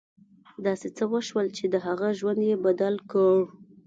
داسې څه وشول چې د هغه ژوند یې بدل کړ